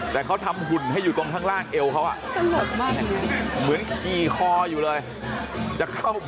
แต่เขาทำหุ่นให้อยู่ทั้งล่างเอวเขา